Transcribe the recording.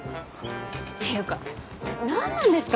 っていうか何なんですか？